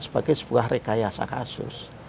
sebagai sebuah rekayasa kasus